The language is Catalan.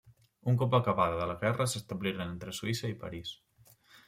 Un cop acabada la guerra s'establiren entre Suïssa i París.